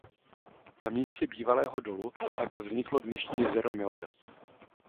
Na místě bývalého dolu pak vzniklo dnešní jezero Milada.